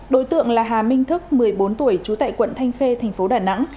đối tượng là hà minh thức một mươi bốn tuổi trú tại quận thanh khê tp đà nẵng